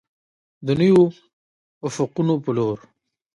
د نویو افقونو په لور.